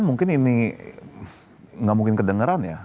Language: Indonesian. mungkin ini nggak mungkin kedengeran ya